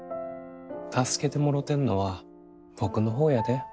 助けてもろてんのは僕の方やで。